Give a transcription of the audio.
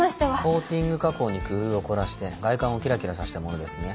コーティング加工に工夫を凝らして外観をキラキラさせたものですね。